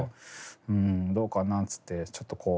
うんどうかなっつってちょっとこう。